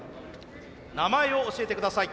名前を教えてください。